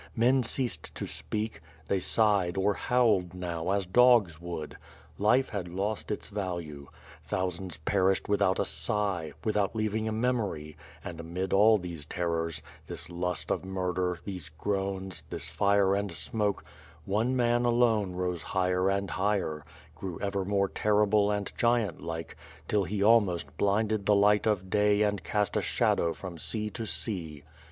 Men ceased to speak; they sighed or howled now, as dogs would. Life had lost its value. Thousands per ished without a sigh; without leaving a memory, and, amid JiH these terrors, this lust of murder, these groans, this fire and smoke, one man alone ro«;o higher and higher, grew ever more terrible and giant like, till he almost blinded the light of day and cast a shadow from sen to sea.